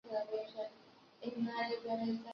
熔岩表面之上矗立着一座小中央峰。